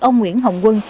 ông nguyễn hồng quân